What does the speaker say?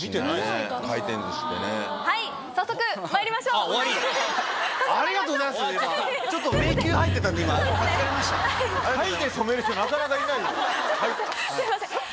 すいません。